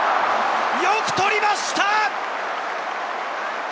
よく捕りました！